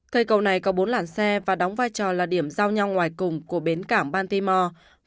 cây cầu này có bốn làn xe và đóng vai trò là điểm giao nhau ngoài cùng của bến cảng bantimore